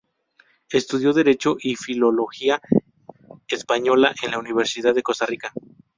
Estudió Derecho y Filología Española en la Universidad de Costa Rica.